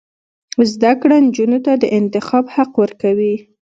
زده کړه نجونو ته د انتخاب حق ورکوي.